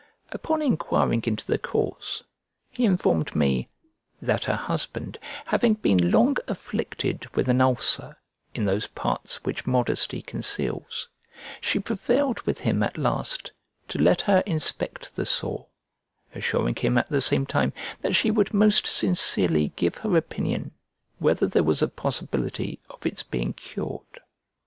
Upon enquiring into the cause, he informed me, "That her husband having been long afflicted with an ulcer in those parts which modesty conceals, she prevailed with him at last to let her inspect the sore, assuring him at the same time that she would most sincerely give her opinion whether there was a possibility of its being cured.